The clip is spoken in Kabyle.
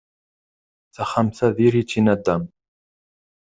Taxxamt-a diri-tt i nadam.